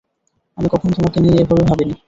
আমি কখনো তোমাকে নিয়ে এভাবে ভাবিনি।